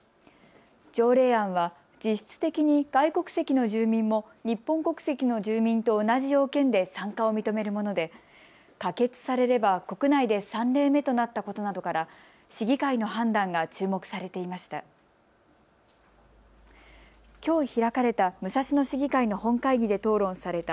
条例案は実質的に外国籍の住民も日本国籍の住民と同じ要件で参加を認めるもので可決されれば国内で３例目となったことなどから市議会の判断が注目されていました。